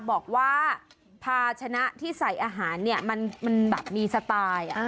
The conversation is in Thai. บอกว่าภาชนะที่ใส่อาหารเนี่ยมันแบบมีสไตล์